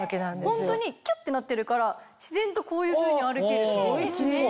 ホントにきゅってなってるから自然とこういうふうに歩ける。